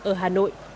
ở hà nội